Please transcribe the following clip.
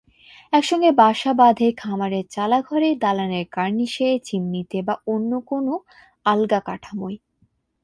একসঙ্গে বাসা বাঁধে খামারের চালাঘরে, দালানের কার্নিশে, চিমনিতে, বা অন্য কোনো আলগা কাঠামোয়।